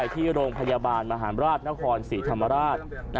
ที่โรงพยาบาลมหาราชนครศรีธรรมราช